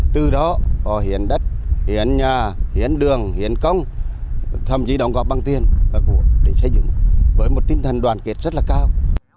từ đó họ hiển đất hiển nhà hiển đường hiển công thậm chí đóng góp bằng tiền để xây dựng với một tinh thần đoàn kiệt rất là cao